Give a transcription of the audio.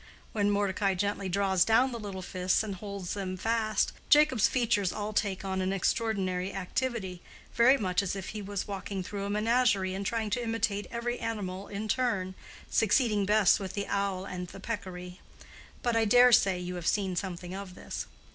When Mordecai gently draws down the little fists and holds them fast, Jacob's features all take on an extraordinary activity, very much as if he was walking through a menagerie and trying to imitate every animal in turn, succeeding best with the owl and the peccary. But I dare say you have seen something of this.